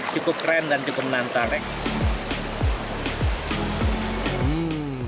cukup keren dan cukup menantang ya